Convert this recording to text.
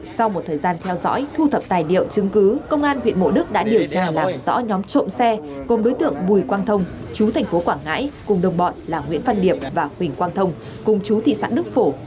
sau một thời gian theo dõi thu thập tài liệu chứng cứ công an huyện mộ đức đã điều tra làm rõ nhóm trộm xe gồm đối tượng bùi quang thông chú thành phố quảng ngãi cùng đồng bọn là nguyễn văn điệp và huỳnh quang thông cùng chú thị xã đức phổ